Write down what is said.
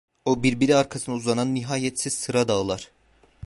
O birbiri arkasına uzanan nihayetsiz sıra dağlar!